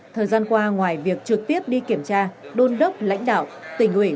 thời gian qua ngoài việc trực tiếp đi kiểm tra đôn đốc lãnh đạo tỉnh ủy